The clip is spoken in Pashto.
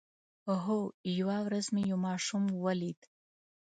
هو، یوه ورځ مې یو ماشوم ولید